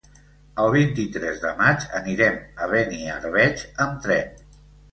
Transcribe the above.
El vint-i-tres de maig anirem a Beniarbeig amb tren.